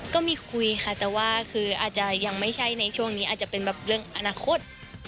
ก็มีคุยค่ะแต่ว่าคืออาจจะยังไม่ใช่ในช่วงนี้อาจจะเป็นแบบเรื่องอนาคต